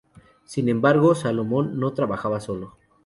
Sin embargo, Salmon no trabajaba solo.